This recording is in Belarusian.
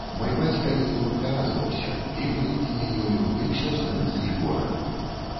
Мой бацька ёю падпяразваўся, біў ён мяне ёю, і ўсё з нэндзы і гора!